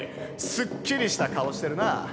すっきりした顔してるな。